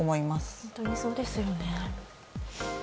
本当にそうですよね。